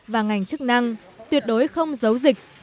và ngành chức năng tuyệt đối không giấu dịch